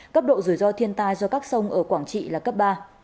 cấp độ rủi ro thiên tai do các sông ở quảng trị là cấp ba